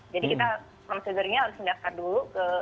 jadi prosedurnya harus mendaftar dulu